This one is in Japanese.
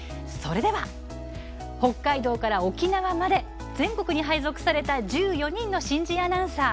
北海道から沖縄まで全国に配属された１４人の新人アナウンサー。